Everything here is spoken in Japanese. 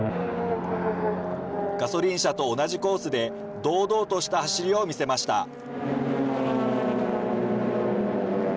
ガソリン車と同じコースで、堂々とした走りを見せました。